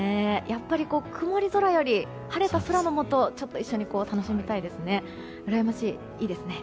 やっぱり曇り空より晴れた空のもと一緒に楽しみたいですね。